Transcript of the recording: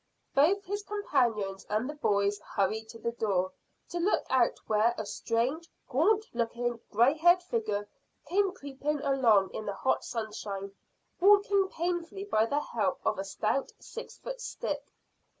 Both his companions and the boys hurried to the door to look out where a strange, gaunt looking, grey haired figure came creeping along in the hot sunshine, walking painfully by the help of a stout six foot stick.